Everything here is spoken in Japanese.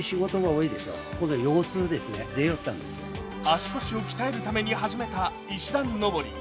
足腰を鍛えるために始めた石段上り。